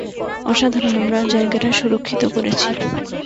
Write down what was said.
অসাধারণ, আমরা জায়গাটা সুরক্ষিত করেছি।